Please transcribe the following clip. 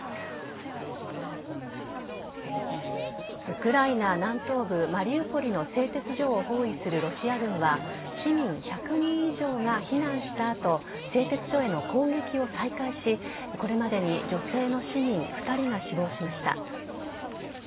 ウクライナ南東部マリウポリの製鉄所を包囲するロシア軍は市民１００人以上が避難した後製鉄所への攻撃を再開しこれまでに女性の市民２人が死亡しました。